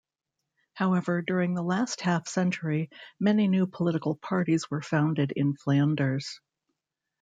However, during the last half century, many new political parties were founded in Flanders.